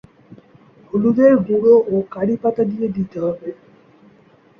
হলুদের গুঁড়ো ও কারি পাতা দিয়ে দিতে হবে।